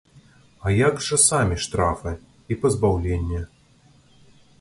А як жа самі штрафы і пазбаўленне?